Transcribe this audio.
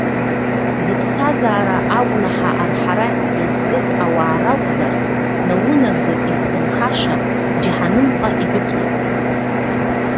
Зыԥсҭазаара агәнаҳа арҳара иазкыз ауаа ракәзар, наунагӡа изҭынхаша џьаҳанымҟа идәықәҵоуп.